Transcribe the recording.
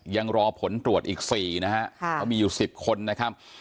ยังรอผลตรวจอีกสี่นะฮะค่ะก็มีอยู่สิบคนนะครับ